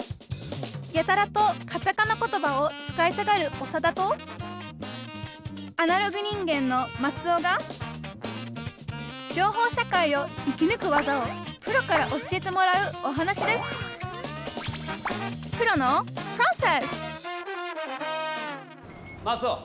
やたらとカタカナ言葉を使いたがるオサダとアナログ人間のマツオが情報社会を生きぬく技をプロから教えてもらうお話ですマツオ！